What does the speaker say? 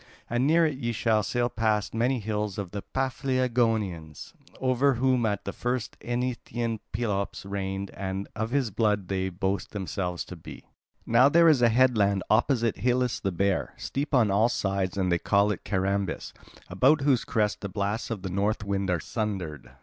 And near it ye will sail past many hills of the Paphlagonians, over whom at the first Eneteian Pelops reigned, and of his blood they boast themselves to be." "Now there is a headland opposite Helice the Bear, steep on all sides, and they call it Carambis, about whose crests the blasts of the north wind are sundered.